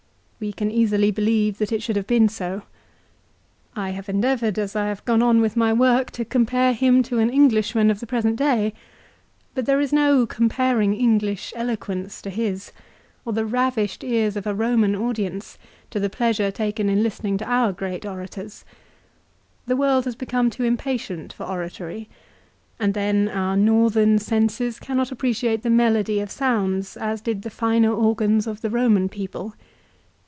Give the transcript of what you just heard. We can easily believe that it should have been so. I have endeavoured as I have gone on with my work to compare him to an Englishman of i:he present day ; but there is no comparing English eloquence to his, .or the ravished ears of a Eoman audience to the pleasure taken in listening to our great orators. The world has become too impatient for oratory, and then our northern senses cannot appreciate the melody of sounds as did the finer organs of the Eoman people.